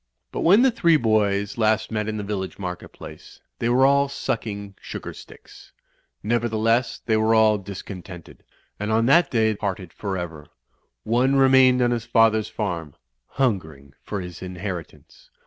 But when the three boys last met in the village market place, they were all sucking sugar sticks. Nevertheless, they were all discontented, and on that day parted for ever. One remained on his father's farm, hungering for his inheritance.